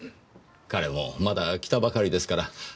彼もまだ来たばかりですから。